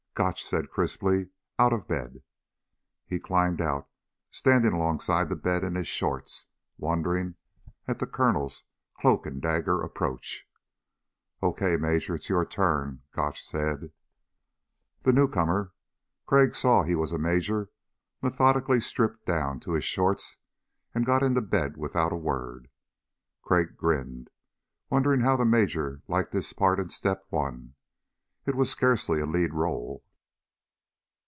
Gotch said crisply; "Out of bed." He climbed out, standing alongside the bed in his shorts, wondering at the Colonel's cloak and dagger approach. "Okay, Major, it's your turn," Gotch said. The newcomer Crag saw he was a major methodically stripped down to his shorts and got into bed without a word. Crag grinned, wondering how the Major liked his part in Step One. It was scarcely a lead role.